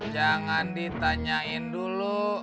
jangan ditanyain dulu